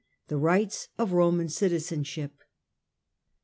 THE RIGHTS OF ROMAN CITIZENSHIP.